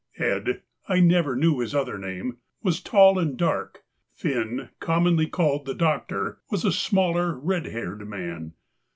'Ed.'—I never knew his other name—was tall and dark; Finn, commonly called the Doctor, was a smaller, red haired man.